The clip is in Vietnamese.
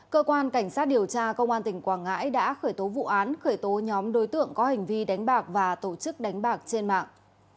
cơ quan cảnh sát điều tra công an tỉnh quảng ngãi đã khởi tố vụ án khởi tố nhóm đối tượng có hành vi đánh bạc và tổ chức đánh bạc trên mạng